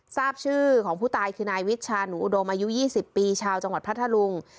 ทราบชื่อของผู้ตายคือนายวิชาหนูอุดมอายุ๒๐ปีชาวจังหวัดพัทธลุง